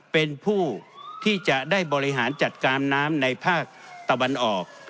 เป็นผู้ที่จะได้บริหารจัดการน้ำในภาคตะวันออก